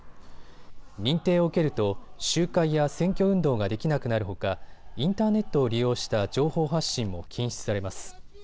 認定を受けると集会や選挙運動ができなくなるほかインターネットを利用した情報発信も禁止されます。